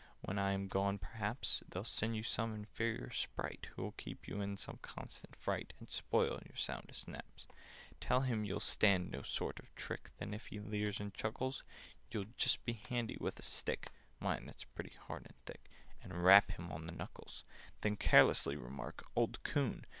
When I am gone, perhaps They'll send you some inferior Sprite, Who'll keep you in a constant fright And spoil your soundest naps. "Tell him you'll stand no sort of trick; Then, if he leers and chuckles, You just be handy with a stick (Mind that it's pretty hard and thick) And rap him on the knuckles! "Then carelessly remark 'Old coon!